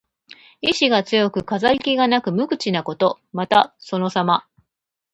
意思が強く、飾り気がなく無口なこと。また、そのさま。